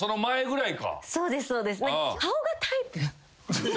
そうですそうです。